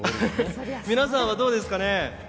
皆さんはどうですかね？